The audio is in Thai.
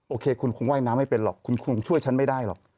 โอเคคุณคงว่ายน้ำไม่เป็นหรอกคุณคงช่วยฉันไม่ได้หรอก